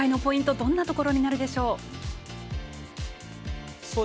どんなところになるでしょう？